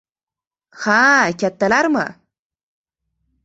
— Ha-a, kattalarmi?